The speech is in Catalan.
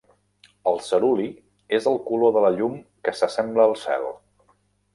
El ceruli és el color de la llum que s'assembla al cel.